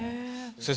先生